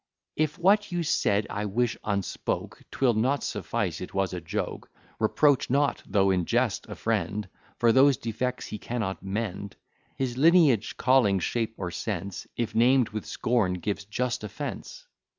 If what you said I wish unspoke, 'Twill not suffice it was a joke: Reproach not, though in jest, a friend For those defects he cannot mend; His lineage, calling, shape, or sense, If named with scorn, gives just offence.